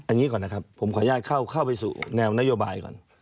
อันนี้ก่อนนะครับผมขออนุญาตเข้าไปสู่แนวนโยบายก่อน